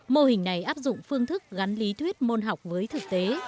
mô hình này áp dụng phương thức gắn lý thuyết môn học với thực tế